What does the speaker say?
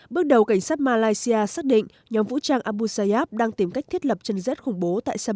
bước đầu cảnh sát malaysia xác định nhóm vũ trang abu sayyaf đang tìm cách thiết lập chân dết khủng bố